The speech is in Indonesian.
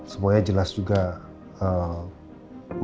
semuanya jelas juga ee